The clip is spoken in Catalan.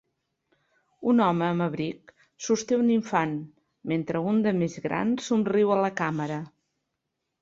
Un home amb abric sosté un infant, mentre un de més gran somriu a la càmera.